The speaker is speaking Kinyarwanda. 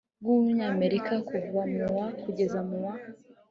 rw urunyamerika kuva mu wa kugeza mu wa